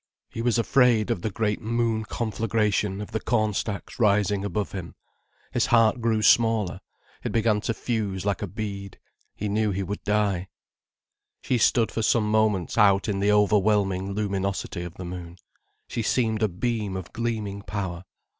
He was afraid of the great moon conflagration of the cornstacks rising above him. His heart grew smaller, it began to fuse like a bead. He knew he would die. She stood for some moments out in the overwhelming luminosity of the moon. She seemed a beam of gleaming power.